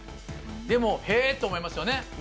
でも「へぇ」と思いますよね。